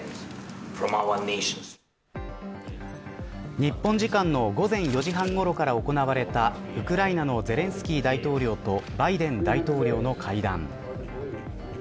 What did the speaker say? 日本時間の午前４時半ごろから行われたウクライナのゼレンスキー大統領とバイデン大統領の会談。